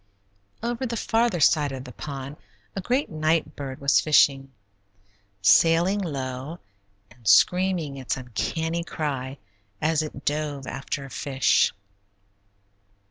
Over the farther side of the pond a great night bird was fishing, sailing low and screaming its uncanny cry as it dove after a fish.